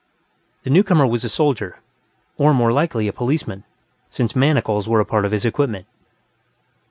The newcomer was a soldier, or, more likely, a policeman, since manacles were a part of his equipment.